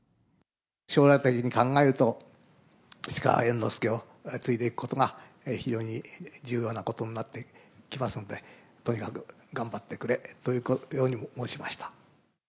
将来的に考えると、市川猿之助を継いでいくことが非常に重要なことになってきますので、とにかく頑張ってくれというように申しました。